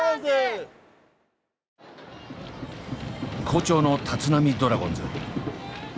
好調の立浪ドラゴンズ。